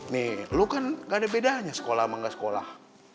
nih lu kan gak ada bedanya sekolah sama gak sekolah